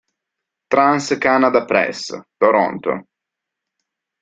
Trans-Canada Press, Toronto